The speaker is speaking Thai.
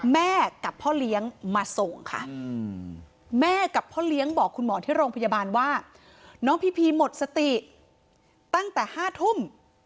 แม่กับพ่อเลี้ยงมาส่งค่ะแม่กับพ่อเลี้ยงบอกคุณหมอที่โรงพยาบาลว่าน้องพีพีหมดสติตั้งแต่๕ทุ่ม